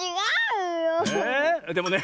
えでもね